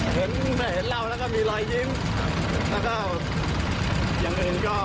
เห็นเราแล้วก็มีรอยยิ้มแล้วก็อย่างอื่นก็